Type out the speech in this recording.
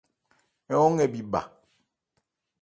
Ń hɔn nkɛ bhi bha.